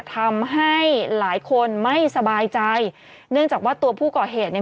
ทำให้หลายคนไม่สบายใจเนื่องจากว่าตัวผู้ก่อเหตุเนี่ย